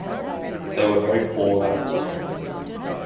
They were very poor that autumn.